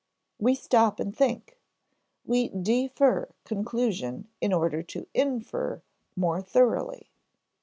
We stop and think, we de fer conclusion in order to in fer more thoroughly.